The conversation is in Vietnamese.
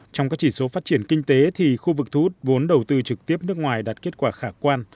trong các chỉ số phát triển kinh tế thì khu vực thu hút vốn đầu tư trực tiếp nước ngoài đạt kết quả khả quan